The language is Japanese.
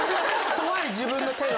怖い自分の手が。